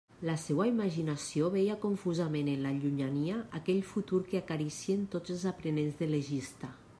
La seua imaginació veia confusament en la llunyania aquell futur que acaricien tots els aprenents de legista.